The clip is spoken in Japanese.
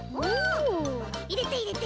いれていれて。